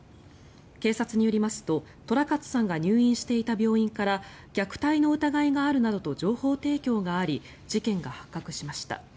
警察によりますと寅勝さんが入院していた病院から虐待の疑いがあるなどと情報提供があり事件が発覚しました。